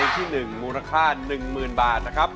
เพลงที่หนึ่งมูลค่า๑๐๐๐๐บาทนะครับ